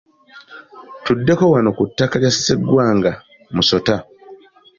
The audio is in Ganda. Tuddeko wano ku ttaka lya Sseggwanga Musota